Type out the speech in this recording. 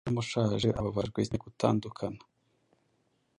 Umwami ushaje ababajwe cyane gutandukana